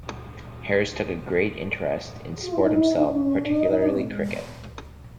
Harris took a great interest in sport himself, particularly cricket.